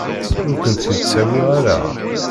Ur kent-id-ttawiɣ ara.